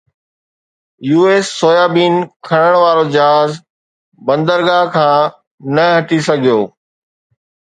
U S soybean کڻڻ وارو جهاز بندرگاهه تان نه هٽي سگهيو